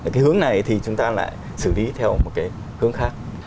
cái hướng này thì chúng ta lại xử lý theo một cái hướng khác